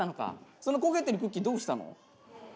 その焦げてるクッキーどうしたの？